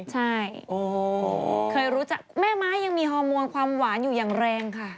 ใช่เคยรู้จักแม่ไม้ยังมีฮอร์โมนความหวานอยู่อย่างแรงค่ะ